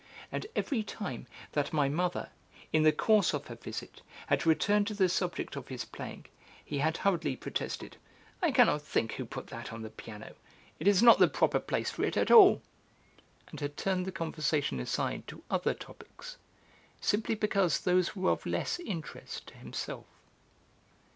And every time that my mother, in the course of her visit, had returned to the subject of his playing, he had hurriedly protested: "I cannot think who put that on the piano; it is not the proper place for it at all," and had turned the conversation aside to other topics, simply because those were of less interest to himself.